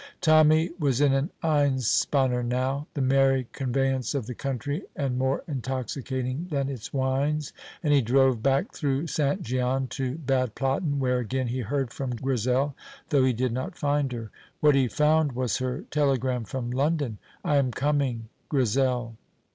Tommy was in an einspänner now, the merry conveyance of the country and more intoxicating than its wines, and he drove back through St. Gian to Bad Platten, where again he heard from Grizel, though he did not find her. What he found was her telegram from London: "I am coming. GRIZEL."